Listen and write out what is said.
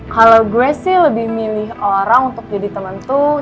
kalau gue sih lebih milih orang untuk jadi teman tuh